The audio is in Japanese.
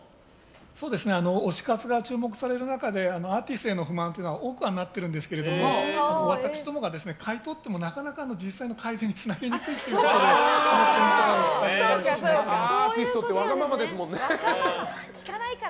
推し活が注目される中でアーティストへの不満というのは多くはなってるんですけど私どもが買い取ってもなかなか実際の改善につながりにくいという点から。